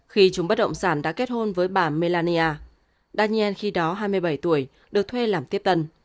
khi chúng bất động sản đã kết hôn với bà melania daniel khi đó hai mươi bảy tuổi được thuê làm tiếp tân